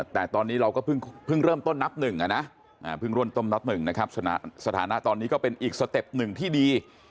แต่ตอนนี้เราก็เพิ่งเริ่มต้นนับหนึ่งนะสถานะตอนนี้ก็เป็นอีกสเต็ปหนึ่งที่ดี